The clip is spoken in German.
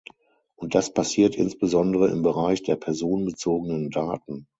Und das passiert insbesondere im Bereich der personenbezogenen Daten.